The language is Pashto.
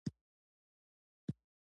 د لېوه بچی آخر د پلار په خوی سي